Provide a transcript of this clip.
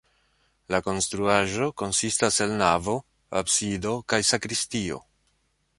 La konstruaĵo konsistas el navo, absido kaj sakristio.